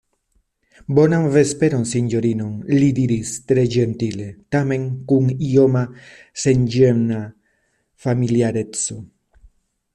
Bonan vesperon, sinjorinoj, li diris tre ĝentile, tamen kun ioma, senĝena familiareco.